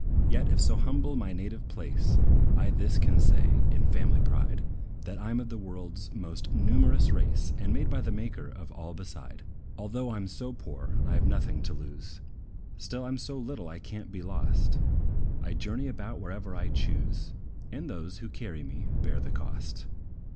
Yet, if so humble my native place, I this can say, in family pride, That I 'm of the world's most numerous race, And made by the Maker of all beside. Although I 'm so poor, I have nought to lose; Still I 'm so little I can't be lost: I journey about wherever I choose, And those, who carry me, bear the cost.